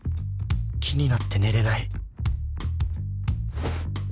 気になって寝れない